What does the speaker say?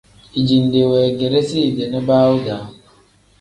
Dijinde weegeresi idi nibaawu-daa.